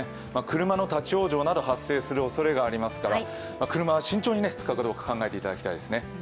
車の立ち往生など発生するおそれがありますから車は慎重に、使うかどうか考えていただきたいですね。